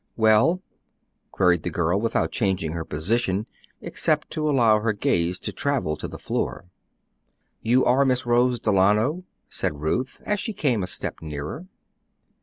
"Well?" queried the girl, without changing her position except to allow her gaze to travel to the floor. "You are Miss Rose Delano?" said Ruth, as she came a step nearer.